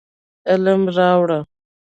علم راوړو.